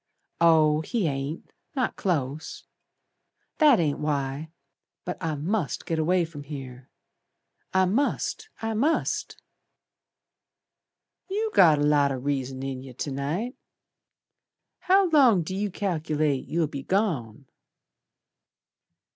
"Oh, he ain't. Not close. That ain't why. But I must git away from here. I must! I must!" "You got a lot o' reason in yer To night. How long d' you cal'late You'll be gone?"